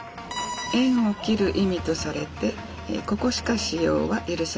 縁を切る意味とされてここしか使用は許されておりません。